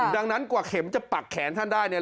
ดังนั้นกว่าเข็มจะปักแขนท่านได้เนี่ย